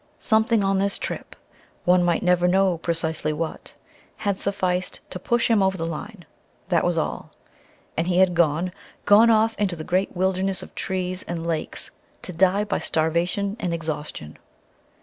Something on this trip one might never know precisely what had sufficed to push him over the line, that was all. And he had gone, gone off into the great wilderness of trees and lakes to die by starvation and exhaustion.